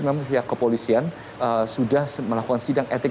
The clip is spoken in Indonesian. memang pihak kepolisian sudah melakukan sidang etik